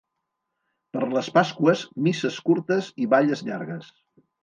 Per les Pasqües, misses curtes i balles llargues.